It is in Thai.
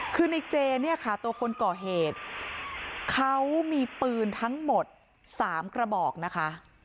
คือในเจเนี่ยค่ะตัวคนก่อเหตุเขามีปืนทั้งหมด๓กระบอกนะคะ